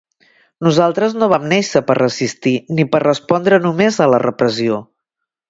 Nosaltres no vam néixer per resistir, ni per respondre només a la repressió.